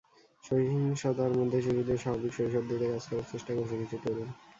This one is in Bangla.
সহিংসতার মধ্যে শিশুদের স্বাভাবিক শৈশব দিতে কাজ করার চেষ্টা করছে কিছু তরুণ।